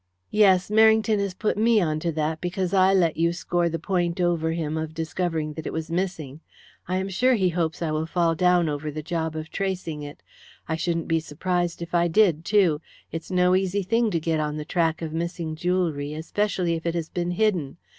"Yes. Merrington has put me on to that because I let you score the point over him of discovering that it was missing. I am sure that he hopes I will fall down over the job of tracing it. I shouldn't be surprised if I did, too. It's no easy thing to get on the track of missing jewellery, especially if it has been hidden.